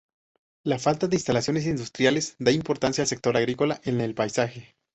La falta de instalaciones industriales da importancia al sector agrícola en el paisaje.